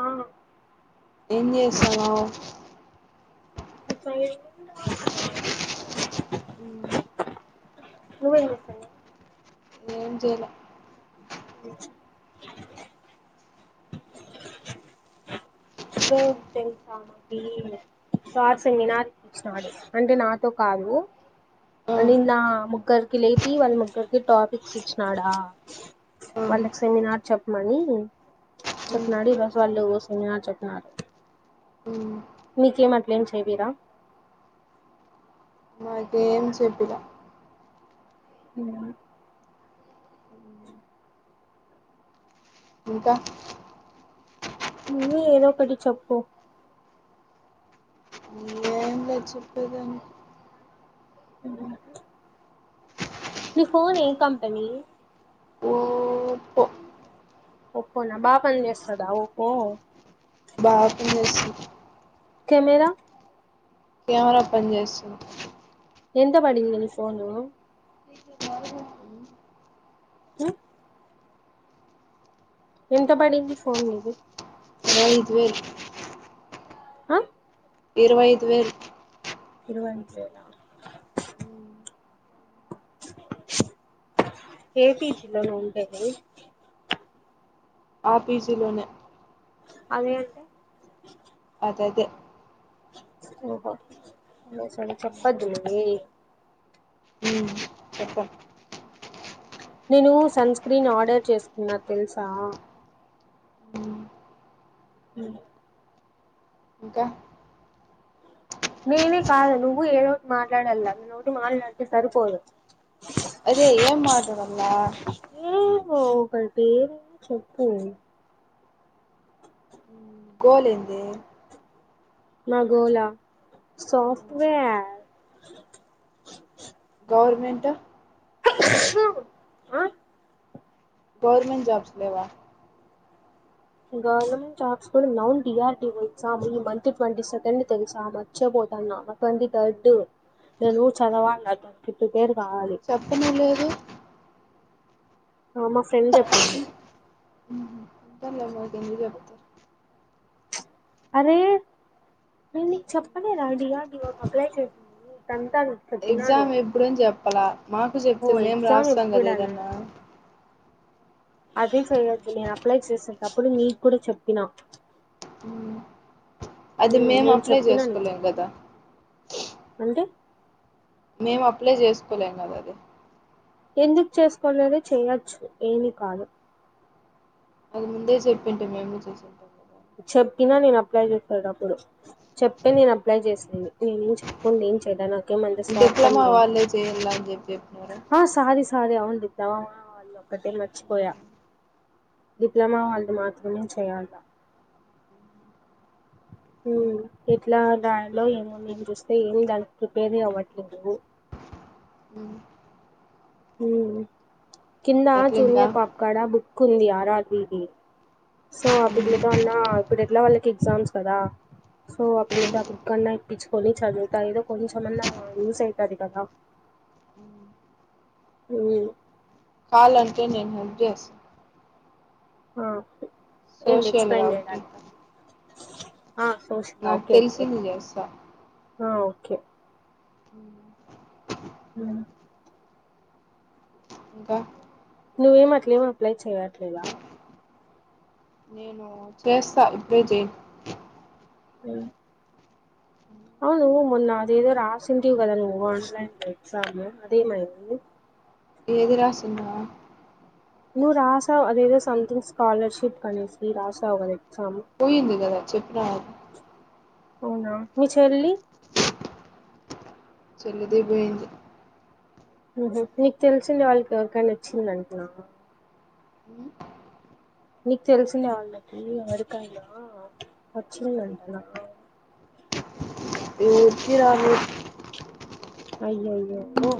ఆ ఎం చేస్తన్నవ్ చదువుకుంటానా అక్క నువ్వేం చేస్తన్నవ్ ఏం చేయలే ఈ రోజు తెలుసా మాకి సార్ సెమినార్ ఇప్పిచ్చినాడు అంటే నాతో కాదు ఆ నిన్న ముగ్గురికి లేపి వాళ్ళ ముగ్గురికి టాపిక్స్ ఇచ్చినాడా ఆ వాళ్ళకి సెమినార్ చెప్పమని ఉమ్ చెప్పినాడు ఈ రోజు వాళ్ళు సెమినార్ చెప్పినారు ఉమ్ మీకేం అట్లేం చెపిర మాకేం చెపిల ఉమ్ ఇంకా నువ్వే ఏదో ఒకటి చెప్పు ఏం లేద్ చెప్పేదానికి ఉమ్ హు నీ ఫోన్ ఏ కంపెనీ ఒప్పో ఒప్పొన బాగా పని చేస్తదా ఒప్పో బా పనిచేస్తది కెమెరా కెమెరా పని చేస్తుంది ఎంత పడింది నీ ఫోన్ ఉమ్ ఎంత పడింది ఫోన్ నీది ఐదు వేలు ఆ ఇరవై ఐదు వేలు ఇరవై ఐదు వేల ఉమ్, ఏ పీ జి లో నువ్ ఉండేది ఆ పి జీలోనే అదే అంటే నాకైతే ఓహో నిజం చెప్పదు లే వే చెప్పు నేను సన్ స్క్రీన్ ఆర్డర్ చేసుకున్నా తెలుసా ఉమ్ ఉమ్ ఇంకా నేనే కాదు నువ్వు ఏదోటి మాట్లాడల నేనోటి మాట్లాడితే సరిపోదు అదే ఏం మాట్లాడాలా ఓ ఒకటి చెప్పు నీ గోల్ ఏంది నా గోలా సాఫ్ట్వేర్ గవర్నమెంటు ఆ గవర్నమెంట్ జాబ్స్ లేవా గవర్నమెంట్ జాబ్స్ కూడా ఉన్నాయ్ D R D O exam ఈ మంత్లీ ట్వంటీ సెకండ్ తెల్సా మార్చే పో తన ట్వంటీ థర్డ్ ట్వర్ నేను చదవాలా దానికి ప్రిపేర్ కావాలి చెప్పనే లేదు ఆ మా ఫ్రెండ్ చెప్పింది ఉమ్ హు అంతేలే మాకు ఎందుకు చెప్తారు అరే నేను నీకు చెప్పలే డిఆర్డిఓ కి అప్లై చేసి ఎగ్జామ్ ఎప్పుడని చెప్పాల మాకు చెప్తే ఓ మేం ఎగ్జామ్ రాస్తాం కదా ఎప్పుడనా ఏదన్నా అదే చెయ్యొద్దు నేను అప్లై చేసేటప్పుడు నీకు కూడా చెప్పినా అది మేము నేను అప్లై చెప్పినా నీకు చేసుకోలేం కదా అంటే మేము అప్లై చేసుకోలేం కదా అది ఎందుకు చేసుకోలేరు చేయొచ్చు ఏమీ కాదు అది ముందే చెప్పింటే మేము చూసింటాం చెప్పినా నేను అప్లై చేసేటప్పుడు చెప్పే నేను అప్లై చేసింది నేనేం చెప్పకుండా నాకేమంత స్వార్థం డిప్లొమా లేదు వాళ్ళే చేయాల అని చెప్పి చెప్పినారు ఆ సారీ అది అవుందిద్దావా వాళ్ళు ఒక్కటే మర్చిపోయా డిప్లొమా వాళ్ళు మాత్రమే చేయాల అ [inaudible] ఎట్లా దలో ఏమో నేను చూస్తే ఏ దానికి ప్రిపేర్ అవ్వట్లేదు నువ్ ఉ కింద ఎట్లా ఇంకా జూనియర్ పాపకార్డ బుక్ కుంది ఆరాద్వి ది సో ఆ పిల్ల కన్నా ఇప్పుడ ఆ పిల్ల వాళ్లకి ఎగ్జామ్స్ కదా సో ఆ పిల్లతే ఆ బుక్ కన్నా ఇప్పించుకొని చదువుతా ఏదో కొంచెమన్నా యూస్ అయితది కదా ఉ ఉ కాాలంటే నేను హెల్ప్ చేస్ ఏంది సోషల్ ఎక్స్ప్లెయిన్ కాబట్టి చేయడానీకా ఆ చూసినా నాకు ఓకే ఓకే తెలిసింది చేస్తా ఆ ఓకే ఉ హ ఇంకా నువ్వేం అట్లేం అప్లై చేయ్యట్లేదా నేను చేస్తా ఇప్పుడే ఆ అవును మొన్న అది ఏదో రాసింటివి కదా ఆన్లైన్లో ఎగ్జామ్ అదే ఏమైంది ఏది రాసిందా నువ్వు రాశావు అదేదో సథింగ్ స్కాలర్షిప్ కనేసి రాశావు కదా ఎగ్జామ్ పోయింది కదా చెప్పిన అవునా మీ చెల్లి చెల్లిదే పోయింది నీకు తెలిసింనా వాళ్ళకి ఎవరికైనా వచ్చిందంటనా నీకు తెలిసింనా వాళ్ళకి ఎవరికైనా వచ్చిందంటనా ఎవరికి రాలేదు అయ్యయ్యో ఓ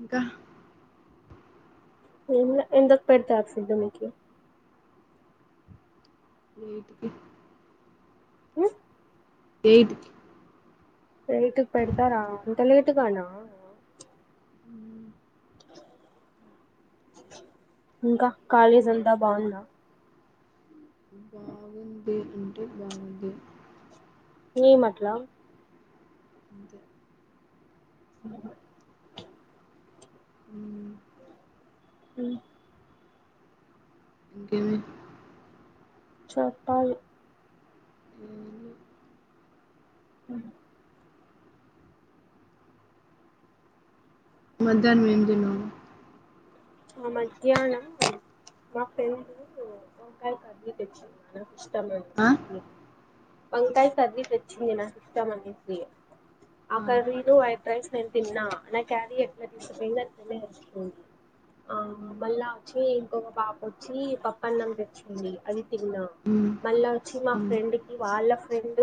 ఇంకా ఏం లే ఇంకా పెట్టాల్సింది దానికి ఎయిట్కి ఉ ఎయిట్కి ఎయిట్ కు పెడతారా అంత లేటుగానా ఇంక కాలేజ్ అంతా బాగుందా బాగుంది అంటే బాగుంది ఏంఅట్లా అంతే [inaudible] ఉమ్ ఇంకేమి చెప్పాలి హా మధ్యానం ఏం తిన్నావు ఆ మధ్యనం మా ఫ్రెండు వంకాయ కర్రీ తెచ్చింది మనకు ఇష్టం ఆ అనేసి వంకాయ్ కర్రీ తేచ్చిది నాకు ఇష్టం అనేసి ఆ కర్రీలు వైట్ రైస్ నేన్ తిన నా క్యారీ ఎట్ల తీసుకుపోయింది అట్లనే వచ్చిన ఆ మ్మ్ మళ్ళా వచ్చి ఇంకొక పాప వచ్చి పప్పనం తెచ్చింది అది తిన్నా మళ్ళా వచ్చి మా మ్మ్ ఫ్రెండ్ కి వాళ్ళ ఫ్రెండ్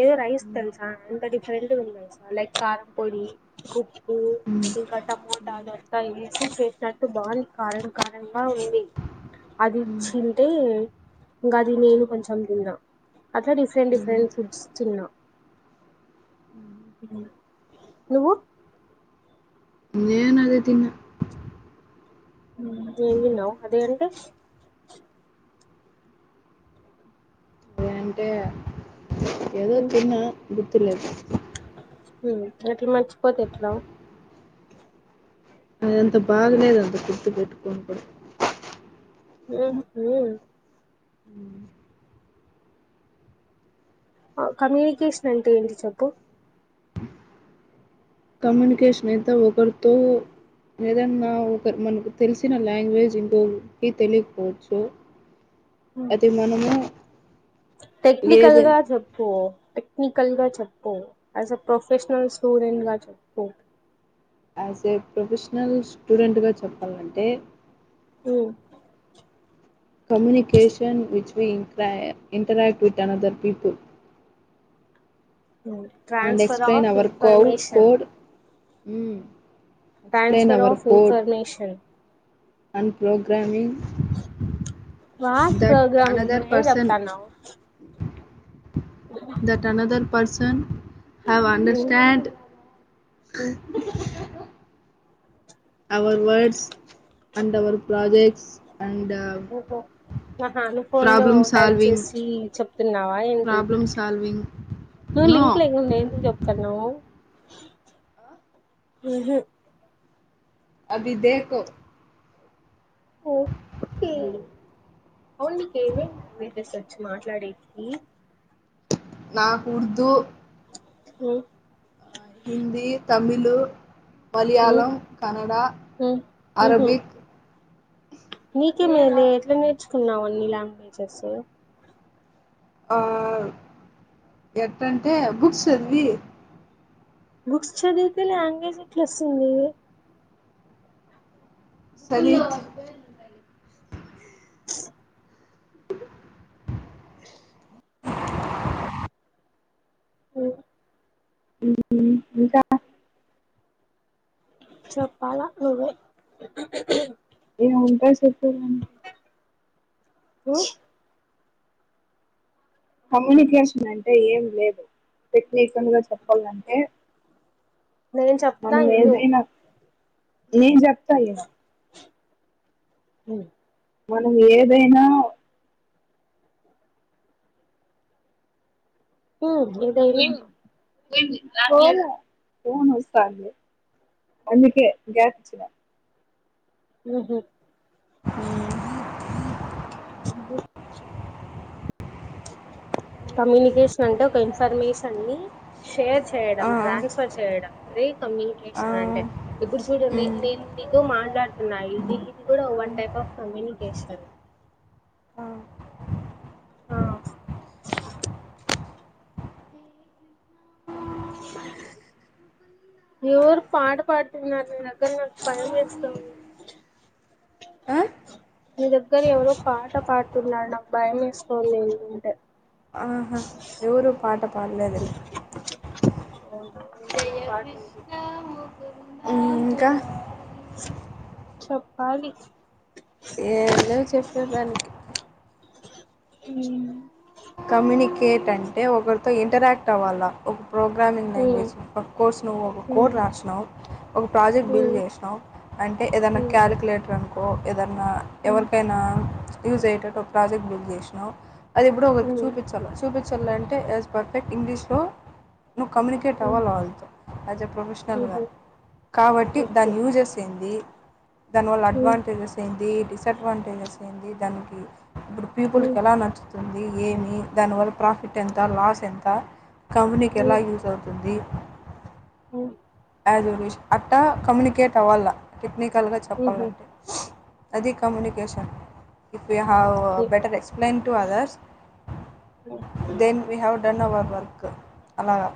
ఏదో రైస్ మ్మ్ తెలుసా అంత డిఫరెంట్ గా లైక్ కారం పొడి ఉప్పు మ్మ్ ఇంకా టమోటా దంతా ఏసీ చే నాకు బాని కారం కారంగా ఉంది అది మ్మ్ ఇచ్చింటే ఇంకా అది నేను కొంచం తిన్నా అట్లా డిఫరెంట్ మ్మ్ డిఫరెంట్ ఫుడ్స్ తిన్నా నువ్వు నేన్ అదే తిన్న ఉమ్ ఎం తున్నావు అదే అంటే అదే అంటే ఏదో తిన్నా గుర్తులెదు ఉమ్ ఎట్లా మర్చిపోతే ఎట్లా అదంత బాగాలేదు అంత గుర్తు పెట్టుకోని కూడ ఉహు ఆ కమ్యూనికేషన్ అంటే ఏంటి చెప్పు కమ్యూనికేషన్ అయితే ఒకరితో ఏదన్నా ఒక మనకు తెలిసిన లాంగ్వేజ్ ఇంకొకి తెలియకపోవచ్చు అది మనము టెక్నికల్ ఏది గా చెప్పు టెక్నికల్గా చెప్పు యాస్ ఎ ప్రొఫెషనల్ స్టూడెంట్గా చెప్పు యాస్ ఏ ప్రొఫెషనల్ స్టూడెంట్గా చెప్పాలంటే uh communication which we interact with another people and transfer explain of our co information code explain transfer our of code information and programming రాద్ దట్ కదా నువ్వు another ఏం person చెప్తాన్నావ్ that another person I am understand our words and our projects ఓహో న family phone లో type చేసి చెప్ ప్తున్నావా ఏంటి నువ్వు లింక్ లేగు ఉండేందుకు చెప్తున్నవ్ ఉహు అభిదేకో ఓకే ఓన్లీ పేమెంట్ పెటెసర్ మాట్లాడే కి నాకు ఉర్దు ఉమ్ హిందీ తమిళు మలయాళం కనడా ఉహు అరబిక్ నీకే మేలే ఎట్లా నేర్చుకున్నావ్ అన్నీ లాంగ్వేజెస్ ఆ ఎట్టంటే బుక్స్ చదివి బుక్స్ చదివితే లాంగ్వేజ్ట్ల వస్తుంది సంగీ ఓ ఇంకా చెప్పాల నువ్వే ఏం ఉంటాయి సెప్పు హ కమ్యూనికేషన్ అంటే ఏం లేదు ప్రతేకంగా చెప్పాలంటే నేను చెప్తా మనం ఇను ఏదైనా నేను చెప్తాలే అవునా మనం ఏదైనా హ్మ్ ఏదైనా పోలె ఫోన్ వస్తాంది అందుకే గ్యాప్ ఇచ్చిన హ్మ్ హు హ్మ్ అ కమ్యూనికేషన్ అంటే ఒక ఇన్ఫర్మేషన్ని షేర్ చేయడం ఆ ట్రాన్స్ఫర్ చేయడం అది ఆ కమ్యూనికేషన్ అంటే ఇప్పుడు చూడండి మ్ నేనితో మాట్లాడుతున్నా ఇది ఇది కూడా వన్ టైప్ ఆఫ్ కమ్యూనికేషన్ ఆ ఆ ఎవరు పాట పడుతున్నారు ని దెగ్గర నాకు భయం వేస్తోంది ఆ ని దగ్గర ఎవరో పాట పాడుతున్నారు నాకు భయం వేస్తోంది ఏందంటే ఆహా ఎవరు పాట పాడలేదులే ఏమో నాకు పాట విన్పించ హ్మ్ ఇంకా చెప్పాలి ఏం లేదు చెప్పేదానికి హ్మ్ కమ్యూనికేట్ అంటే ఒకరితో ఇంటరాక్ట్ అవ్వాలా ప్రోగ్రామింగ్ ఉమ్ లాంగ్వేజ్ అఫ్కోర్స్ నువ్వు ఒక కోడ్ ఉమ్ రాసినావు ఒక ప్రాజెక్ట్ బిల్డ్ ఉమ్ చేసినావు అంటే ఏదైనా క్యాలిక్యలేటర్ అం కో ఏదన్న ఉమ్ ఎవరికైనా యూజ్ అయ్యేటట్టు ఒక ప్రాజెక్ట్ బిల్డ్ చేసినావ్ అది ఎప్పుడు ఒకరికి ఉమ్ చూపించల్ల చూపించల్లంటే యాజ్ పర్ఫెక్ట్ ఇంగ్లీష్లో నువ్వు కమ్యునికేట్ ఉమ్ అవ్వాలా వాల్తో అస్ ఎ ప్రొఫెషనల్గా ఉహు కాబట్టి ఓకే దాన్ని యూఎస్ ఏంది దానివల్ల అడ్వాంటేజెస్ ఏంది డిసడ్వాంటేజెస్ ఏంది దానికి ఇప్పుడు పీపుల్కి ఎలా నచ్చుతుంది ఏమి దానివల్ల ప్రాఫిట్ ఎంత లాస్ ఎంత కంపెనీకి ఎలా యూజ్ అవుతుంది హ్మ్ ఆ జనరేషన్ అట్టా కమ్యూనికేట్ అవ్వాల టెక్నిక్ కల్గా చెప్పాలంటే అది communication if you have better explain to others కె then we have done our work అలాగా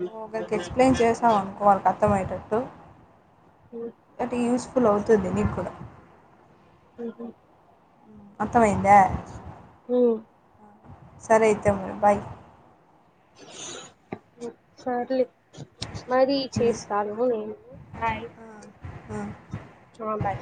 నువ్వు ఒకరికి ఎక్స్‌ప్లెయిన్ చేసావు అనుకో వాళ్ళకి అలా అర్థం అయ్యేటట్టు అంటే యూస్ ఫుల్ అవుతుంది నీకు కూడా అర్థం అయిందా సరే అయితే మరి బాయ్ హ్మ్ సర్లే మరి చేస్తాను నేను బాయ్ హ్మ్ చూవం బాయ్